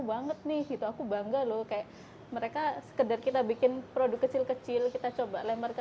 banget nih itu aku bangga loh kayak mereka sekedar kita bikin produk kecil kecil kita coba lempar ke